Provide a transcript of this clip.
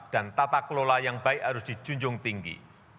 dan tata kelola yang baik harus dijunjung tinggi